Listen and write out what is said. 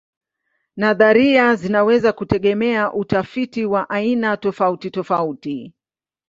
Nadharia zinaweza kutegemea utafiti wa aina tofautitofauti.